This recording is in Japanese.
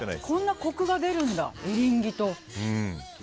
こんなコクが出るんだエリンギ。